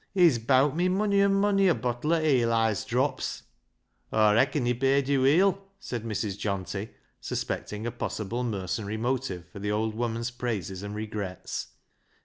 He's bowt me mony an' mony a bottle o' Eli's drops," " Aw reacon he paid yo' weel," said I\Irs. Johnty, suspecting a possible mercenary motive for the old woman's praises and regrets.